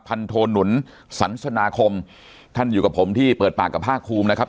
โทหนุนสันสนาคมท่านอยู่กับผมที่เปิดปากกับภาคภูมินะครับ